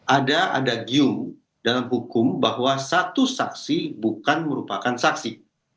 ada ada gium dalam hukum bahwa satu saksi bukan merupakan saksi